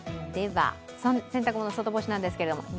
洗濯物、外干しなんですけど◎。